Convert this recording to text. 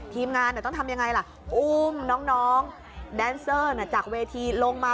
ทีมงานต้องทำยังไงล่ะอุ้มน้องแดนเซอร์จากเวทีลงมา